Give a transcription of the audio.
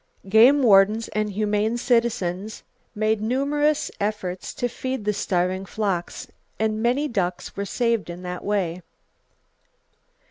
Game wardens and humane citizens made numerous efforts to feed the starving flocks, and many ducks were saved in that way.